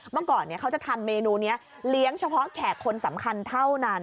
เมื่อก่อนเขาจะทำเมนูนี้เลี้ยงเฉพาะแขกคนสำคัญเท่านั้น